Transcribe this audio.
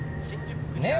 ねえ？